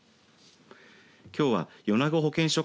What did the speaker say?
きょうは米子保健所